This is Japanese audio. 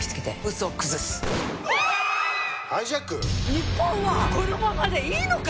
「日本はこのままでいいのか！？」